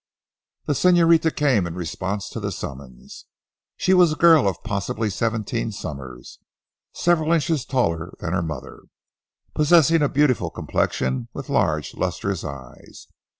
The señorita came in response to the summons. She was a girl of possibly seventeen summers, several inches taller than her mother, possessing a beautiful complexion with large lustrous eyes.